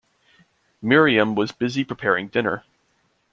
Miriam was busy preparing dinner.